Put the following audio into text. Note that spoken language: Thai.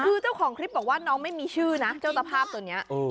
คือเจ้าของคลิปบอกว่าน้องไม่มีชื่อนะเจ้าตะภาพตัวนี้